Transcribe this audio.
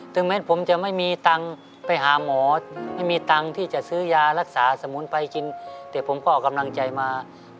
แม้ผมจะไม่มีตังค์ไปหาหมอไม่มีตังค์ที่จะซื้อยารักษาสมุนไพรกินแต่ผมก็เอากำลังใจมา